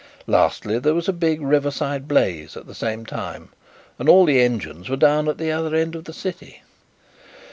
Lastly, there was a big riverside blaze at the same time and all the engines were down at the other end of the city."